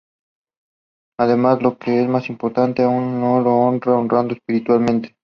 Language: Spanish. Además, lo que es más importante aún, lo honran y adoran espiritualmente.